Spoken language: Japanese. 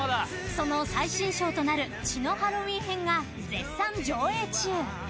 その最新章となる「血のハロウィン編」が絶賛上映中。